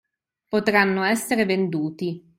potranno essere venduti.